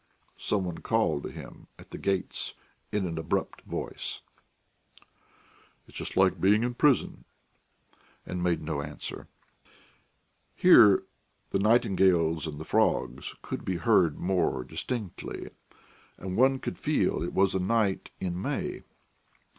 some one called to him at the gates in an abrupt voice. "It's just like being in prison," he thought, and made no answer. Here the nightingales and the frogs could be heard more distinctly, and one could feel it was a night in May.